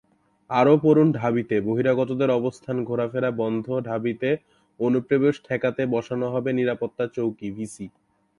আরও পড়ুনঢাবিতে বহিরাগতদের অবস্থান ঘোরাফেরা বন্ধঢাবিতে অনুপ্রবেশ ঠেকাতে বসানো হবে নিরাপত্তা চৌকি ভিসি